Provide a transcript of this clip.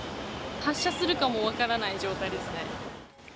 発車するかも分からない状態ですね。